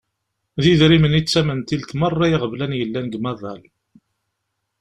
D idrimen i d tamentilt n merra iɣeblan yellan deg umaḍal.